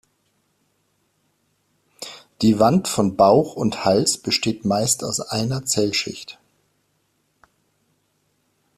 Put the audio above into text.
Die Wand von Bauch und Hals besteht meist aus einer Zellschicht.